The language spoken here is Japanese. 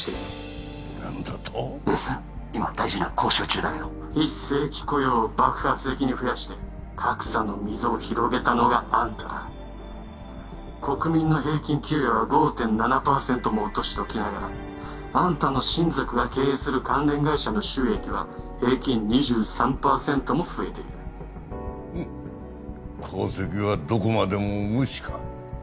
今大事な交渉中だけど非正規雇用を爆発的に増やして格差の溝を広げたのがあんただ国民の平均給与は５．７パーセントも落としておきながらあんたの親族が経営する関連会社の収益は平均２３パーセントも増えている功績はどこまでも無視か？